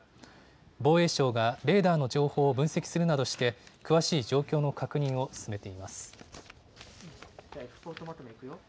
防衛省がレーダーの情報を分析するなどして、詳しい状況の確認を進めています。